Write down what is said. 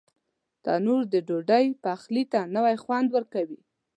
تنور د ډوډۍ پخلي ته نوی خوند ورکوي